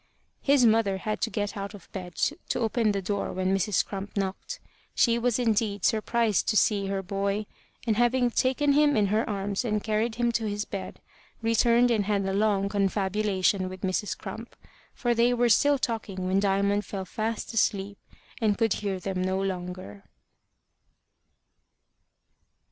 His mother had to get out of bed to open the door when Mrs. Crump knocked. She was indeed surprised to see her, boy; and having taken him in her arms and carried him to his bed, returned and had a long confabulation with Mrs. Crump, for they were still talking when Diamond fell fast asleep, and could hear them no longer.